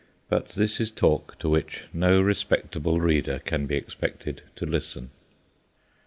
But this is talk to which no respectable reader can be expected to listen.